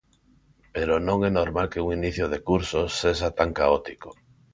Pero non é normal que un inicio de curso sexa tan caótico.